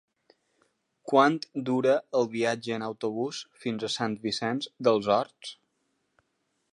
Quant dura el viatge en autobús fins a Sant Vicenç dels Horts?